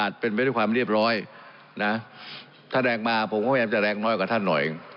อุ้ยไปเปรียบเที่ยวมันยังไม่โกรธตายหรอ